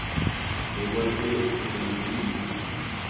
Al igual que "Sandinista!